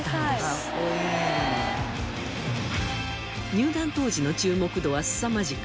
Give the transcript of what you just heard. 入団当時の注目度はすさまじく